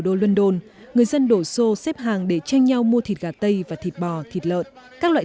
đô london người dân đổ xô xếp hàng để tranh nhau mua thịt gà tây và thịt bò thịt lợn các loại